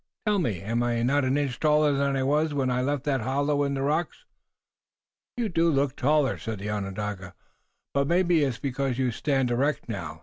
Tell me, am I not an inch taller than I was when I left that hollow in the rocks?" "You do look taller," said the Onondaga, "but maybe it's because you stand erect now.